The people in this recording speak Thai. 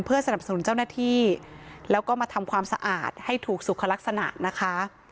สนับสนุนเจ้าหน้าที่แล้วก็มาทำความสะอาดให้ถูกสุขลักษณะนะคะ